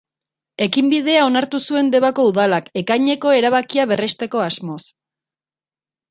Ekinbidea onartu zuen Debako Udalak, ekaineko erabakia berresteko asmoz.